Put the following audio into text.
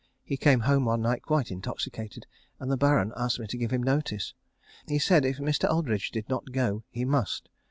He came home one night quite intoxicated, and the Baron asked me to give him notice. He said if Mr. Aldridge did not go he must.